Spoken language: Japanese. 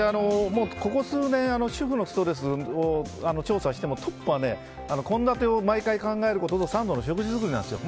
ここ数年主婦のストレスを調査してもトップは献立を毎回考えることと３度の食事作りなんですよ。